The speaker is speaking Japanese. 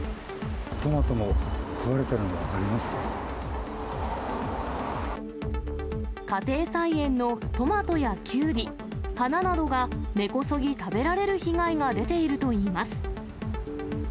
トマトも食われてるの、家庭菜園のトマトやキュウリ、花などが、根こそぎ食べられる被害が出ているといいます。